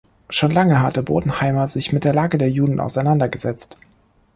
Schon lange hatte Bodenheimer sich mit der Lage der Juden auseinandergesetzt.